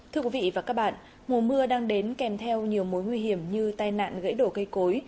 thưa quý vị và các bạn mùa mưa đang đến kèm theo nhiều mối nguy hiểm như tai nạn gãy đổ cây cối